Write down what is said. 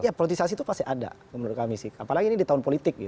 ya politisasi itu pasti ada menurut kami sih apalagi ini di tahun politik